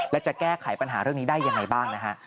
และจะแก้ไขปัญหาเรื่องนี้ได้ยังไงบ้างนะฮะ